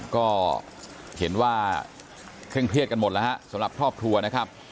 ก็เห็นว่าเคร่งเครียดกันหมดแล้วฮะสำหรับครอบครัวนะครับ